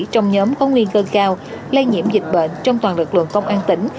trong nhóm có nguy cơ cao lây nhiễm dịch bệnh trong toàn lực lượng công an tỉnh